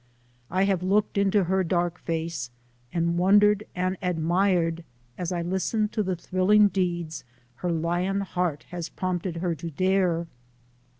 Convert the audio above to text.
I have looked into her dark face, and wondered and admired as I listened to the thrilling deeds her lion heart had prompted her to dare.